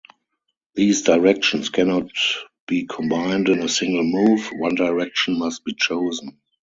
These directions cannot be combined in a single move; one direction must be chosen.